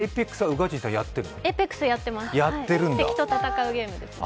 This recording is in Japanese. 敵と戦うゲームです。